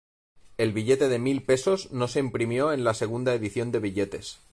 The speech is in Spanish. El billete de mil pesos no se imprimió en la segunda edición de billetes.